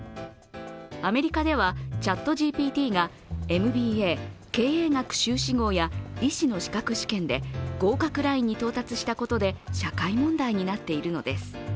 アメリカではＣｈａｔＧＰＴがＭＢＡ経営学修士号や医師の資格試験で合格ラインに到達したことで社会問題になっているのです。